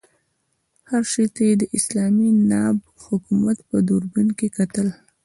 هر شي ته یې د اسلامي ناب حکومت په دوربین کې کتل.